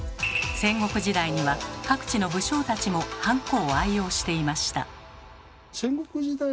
戦国時代には各地の武将たちもハンコを愛用していました。